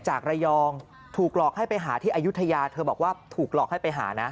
จากระยองถูกหลอกให้ไปหาที่อายุทยาเธอบอกว่าถูกหลอกให้ไปหานะ